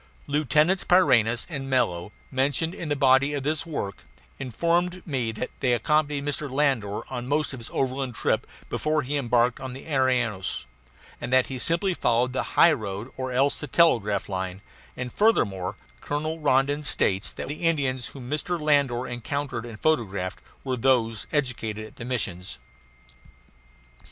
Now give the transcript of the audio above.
Lieutenants Pyrineus and Mello, mentioned in the body of this work, informed me that they accompanied Mr. Landor on most of his overland trip before he embarked on the Arinos, and that he simply followed the highroad or else the telegraph line, and furthermore, Colonel Rondon states that the Indians whom Mr. Landor encountered and photographed were those educated at the missions.